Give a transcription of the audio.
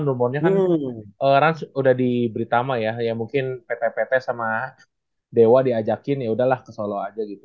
ada kan dan juga rans sudah di britama ya ya mungkin pppt sama dewa diajakin ya udahlah ke solo aja gitu